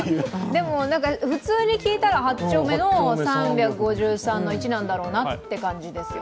でも、普通に聞いたら八丁目の３５３−１なんだろうなという感じですよ。